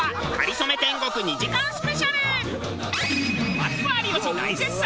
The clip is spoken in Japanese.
マツコ有吉大絶賛！